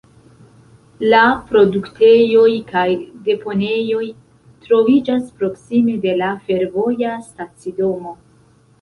La produktejoj kaj deponejoj troviĝas proksime de la fervoja stacidomo.